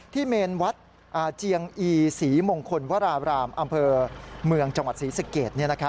เมนวัดเจียงอีศรีมงคลวรารามอำเภอเมืองจังหวัดศรีสเกต